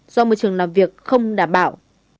do môi trường làm việc không đảm bảo